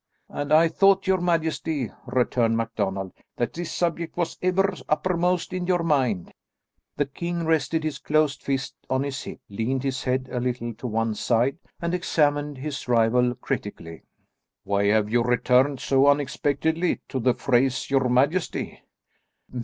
"And I thought, your majesty," returned MacDonald, "that this subject was ever uppermost in your mind." The king rested his closed fist on his hip, leaned his head a little to one side and examined his rival critically. "Why have you returned so unexpectedly to the phrase, your majesty?"